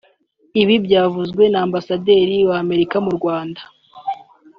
” ibi byavuzwe na Ambasaderi w’Amerika mu Rwanda